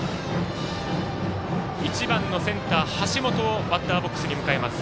１番のセンター、橋本をバッターボックスに迎えます。